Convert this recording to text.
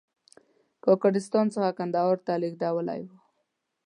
کاکړستان څخه کندهار ته لېږدېدلی و.